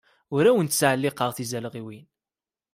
Ur awent-ttɛelliqeɣ tizalɣiwin.